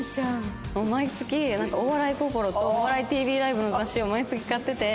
毎月『お笑いポポロ』と『お笑いＴＶＬＩＦＥ』の雑誌を毎月買ってて。